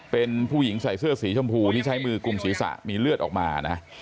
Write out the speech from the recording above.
เป็นผู้หญิงใส่เสื้อสีชมพูที่ใช้มือกลุ่มศีรษะมีเลือดออกมานะ